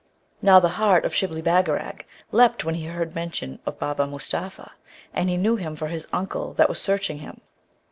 Now, the heart of Shibli Bagarag leapt when he heard mention of Baba Mustapha; and he knew him for his uncle that was searching him.